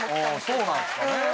そうなんですかね。